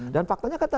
dan faktanya kata